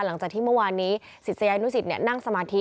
หลังจากที่เมื่อวานนี้ศิษยานุสิตนั่งสมาธิ